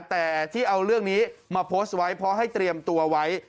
แต่ที่เอาเรื่องนี้มาโพสต์ไว้เพราะให้เตรียมตัวไว้